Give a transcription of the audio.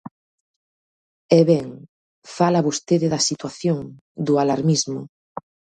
E, ben, fala vostede da situación, do alarmismo.